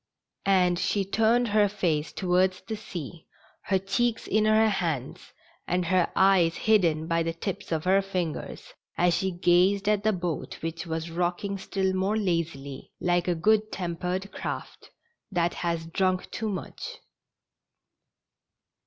And she turned her face towards the sea, her cheeks in her hands and her eyes hidden by the tips of her fingers, as she gazed at the boat which was rocking still more lazily, like a good tempered craft that has drunk too much.